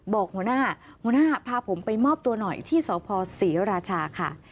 บอกหัวหน้าหัวหน้าพาผมไปมอบตัวหน่อยที่สพศรีราชาค่ะ